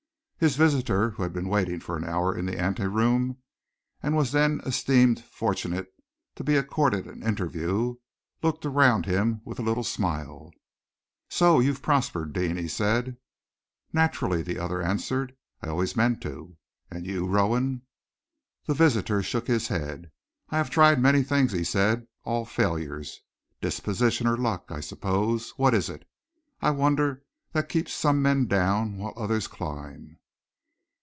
His visitor, who had been waiting for an hour in an ante room, and was then esteemed fortunate to be accorded an interview, looked around him with a little smile. "So you've prospered, Deane," he said. "Naturally," the other answered. "I always meant to. And you, Rowan?" The visitor shook his head. "I have tried many things," he said; "all failures, disposition or luck, I suppose. What is it, I wonder, that keeps some men down while others climb?"